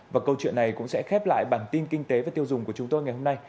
và câu chuyện này cũng sẽ khép lại bản tin kinh tế và tiêu dùng của chúng tôi ngày hôm nay